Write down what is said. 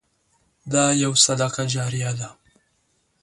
دا يو صدقه جاريه ده.